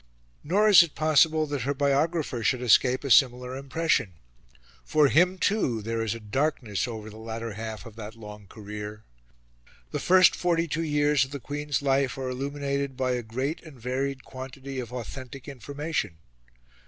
Nor is it possible that her biographer should escape a similar impression. For him, too, there is a darkness over the latter half of that long career. The first forty two years of the Queen's life are illuminated by a great and varied quantity of authentic information.